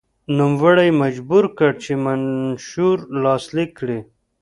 نوموړی یې مجبور کړ چې منشور لاسلیک کړي.